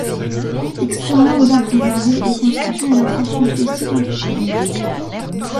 Extrêmement bien préservée, elle constitue une attraction touristique importante.